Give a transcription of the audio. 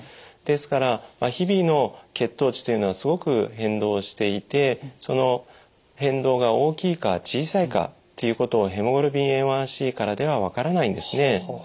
ですから日々の血糖値というのはすごく変動していてその変動が大きいか小さいかっていうことをヘモグロビンＡ１ｃからでは分からないんですね。